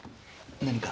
何か？